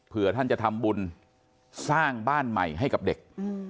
เพื่อท่านจะทำบุญสร้างบ้านใหม่ให้กับเด็ก